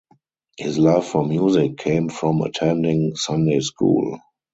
His love for music came from attending Sunday school.